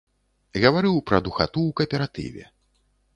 Гаварыў пра духату ў кааператыве.